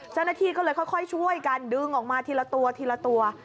เจ้าหน้าที่ก็เลยค่อยช่วยกันดึงออกมาทีละตัวทีละตัว